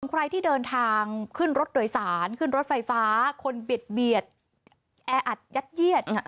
ใครที่เดินทางขึ้นรถโดยสารขึ้นรถไฟฟ้าคนบิดเบียดแออัดยัดเยียด